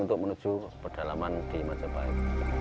untuk menuju pedalaman di majapahit